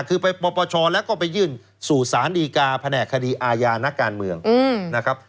คือไปปปชแล้วก็ไปยื่นสู่สารดีกาแผนกคดีอาญานักการเมืองนะครับ